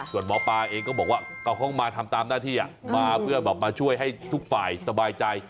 ส่วนหมอปลาเองก็บอกว่าเอาห้องมาทำตามหน้าที่มาเพื่อแบบมาช่วยให้ทุกฝ่ายสบายใจ